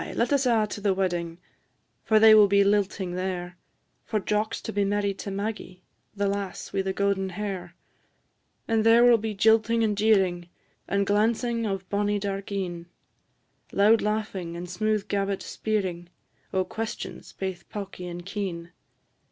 FY, LET US A' TO THE WEDDING. Fy, let us a' to the wedding, For they will be lilting there; For Jock's to be married to Maggie, The lass wi' the gowden hair. And there will be jilting and jeering, And glancing of bonnie dark een; Loud laughing and smooth gabbit speering O' questions, baith pawky and keen.